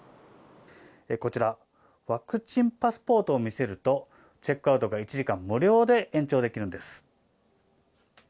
こちらワクチンパスポートを見せるとチェックアウトが１時間無料で延長できるんです。